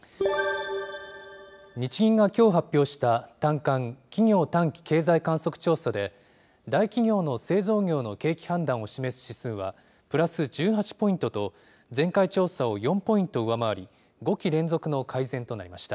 日銀がきょう発表した、短観・企業短期経済観測調査で、大企業の製造業の景気判断を示す指数は、プラス１８ポイントと、前回調査を４ポイント上回り、５期連続の改善となりました。